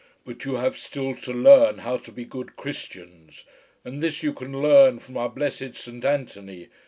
But you have still to learn how to be good Christians. And this you can learn from our blessed Saint Anthony.